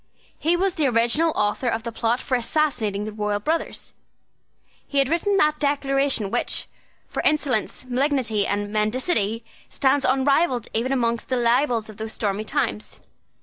He was the original author of the plot for assassinating the royal brothers. He had written that Declaration which, for insolence, malignity, and mendacity, stands unrivalled even among the libels of those stormy times.